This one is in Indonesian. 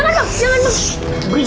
bang jangan bang